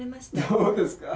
そうですか。